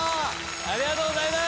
ありがとうございます！